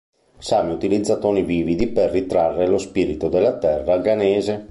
Sami utilizza toni vividi per ritrarre lo spirito della terra Ghanese.